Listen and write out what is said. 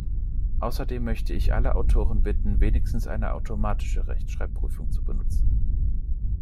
Außerdem möchte ich alle Autoren bitten, wenigstens eine automatische Rechtschreibprüfung zu benutzen.